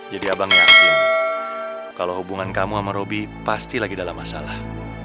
jadi abang yakin kalau hubungan kamu sama robby pasti lagi dalam masalah